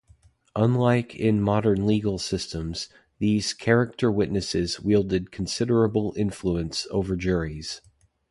Unlike in modern legal systems, these "character witnesses" wielded considerable influence over juries.